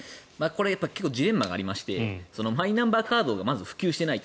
これ結構ジレンマがありましてマイナンバーカードがまず普及していない。